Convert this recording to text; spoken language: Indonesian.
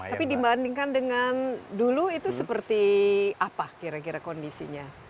tapi dibandingkan dengan dulu itu seperti apa kira kira kondisinya